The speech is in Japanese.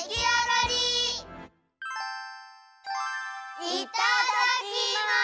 いただきます！